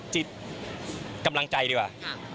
จิตกำลังใจดีกว่า